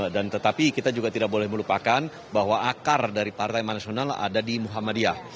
dan tetapi kita juga tidak boleh melupakan bahwa akar dari partai manasional ada di muhammadiyah